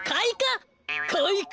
かいか！